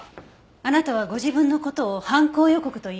あなたはご自分の事を犯行予告と言いました。